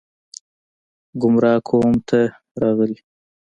ګمراه قوم ته راغلي